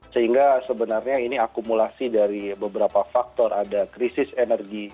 sehingga sebenarnya ini akumulasi dari beberapa faktor ada krisis energi